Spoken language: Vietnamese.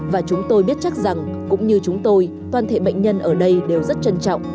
và chúng tôi biết chắc rằng cũng như chúng tôi toàn thể bệnh nhân ở đây đều rất trân trọng